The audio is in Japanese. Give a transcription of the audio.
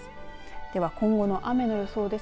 では今後の雨の予想です。